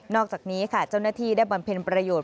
นอกจากนี้เจ้าหน้าที่ได้บรรเพลินประโยชน์